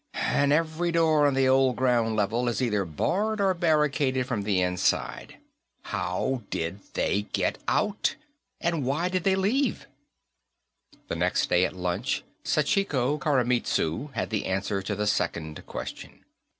"And every door on the old ground level is either barred or barricaded from the inside. How did they get out? And why did they leave?" The next day, at lunch, Sachiko Koremitsu had the answer to the second question.